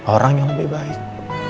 orang yang lebih baik